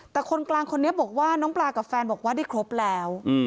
แต่คนกลางคนนี้บอกว่าน้องปลากับแฟนบอกว่าได้ครบแล้ว